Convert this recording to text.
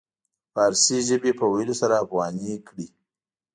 د فارسي ژبې په ويلو سره افغاني کړي.